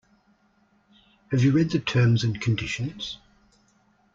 Have you read the terms and conditions?